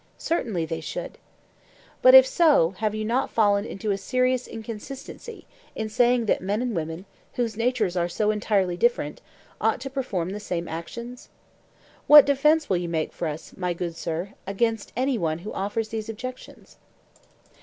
Certainly they should. 'But if so, have you not fallen into a serious inconsistency in saying that men and women, whose natures are so entirely different, ought to perform the same actions?'—What defence will you make for us, my good Sir, against any one who offers these objections?